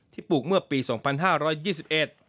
ที่ปลูกเมื่อปี๒๕๒๑ไร่